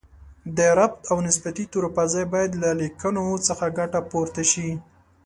د ربط او نسبتي تورو پر ځای باید د لیکنښو څخه ګټه پورته شي